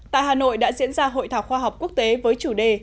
tại hà nội đã diễn ra hội thảo khoa học quốc tế với chủ đề